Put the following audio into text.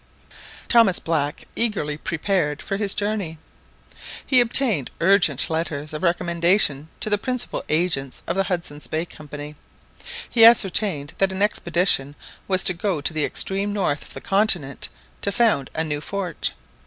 Thomas Black eagerly prepared for his journey. He obtained urgent letters of recommendation to the principal agents of the Hudson's Bay Company. He ascertained that an expedition was to go to the extreme north of the continent to found a new fort.